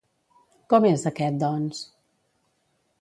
Com és aquest, doncs?